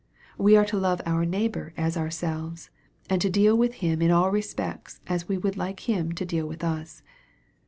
We are to lovo our neighbor as ourselves, and to deal with him in all respects as we would like him to deal with us.